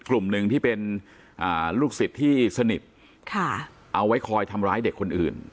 กลุ่มหนึ่งที่เป็นลูกศิษย์ที่สนิทเอาไว้คอยทำร้ายเด็กคนอื่น